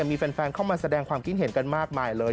มีแฟนเข้ามาแสดงความคิดเห็นกันมากมายเลย